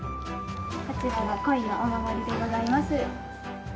こちらがコイのお守りでございます。